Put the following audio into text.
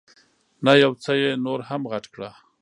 نه، یو څه یې نور هم غټ کړه.